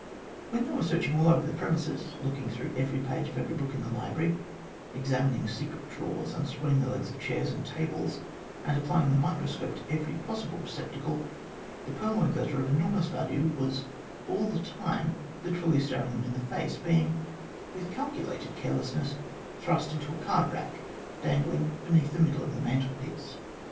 While they were searching all over the premises, looking through every page of every book in the library, examining secret drawers, unscrewing the legs of chairs and tables, and applying the microscope to every possible receptacle, the purloined letter of enormous value was all the time literally staring them in the face, being, with calculated carelessness, thrust into a card rack dangling beneath the middle of the mantelpiece.